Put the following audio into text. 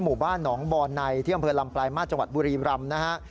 หมู่บ้านหนองบอนในที่อำเภอลำปลายมาสจังหวัดบุรีรำนะฮะ